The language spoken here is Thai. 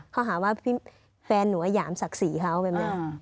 เขาหาว่าแฟนหนูอาหยามศักดิ์ศรีเขาแบบนี้